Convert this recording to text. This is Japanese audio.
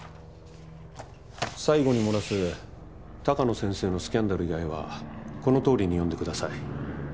最後に漏らす鷹野先生のスキャンダル以外はこのとおりに読んでください。